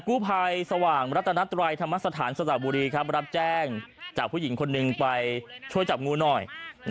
กู้ภัยสว่างรัตนัตรัยธรรมสถานสระบุรีครับรับแจ้งจากผู้หญิงคนหนึ่งไปช่วยจับงูหน่อย